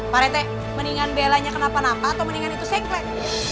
pak retai mendingan bella nya kenapa napa atau mendingan itu sengklek